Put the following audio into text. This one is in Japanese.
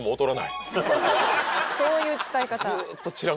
そういう使い方。